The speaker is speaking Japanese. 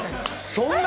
そんな？